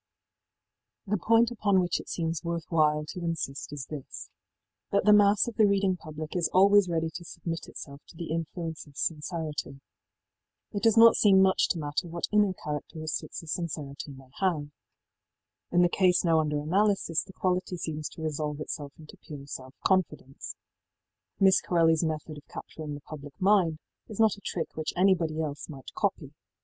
The point upon which it seems worth while to insist is this: That the mass of the reading public is always ready to submit itself to the influence of sincerity. It does not seem much to matter what inner characteristics the sincerity may have. In the case now under analysis the quality seems to resolve itself into pure self confidence. Miss Corelliís method of capturing the public mind is not a trick which anybody else might copy.